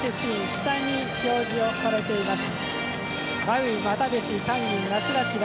下に表示されています。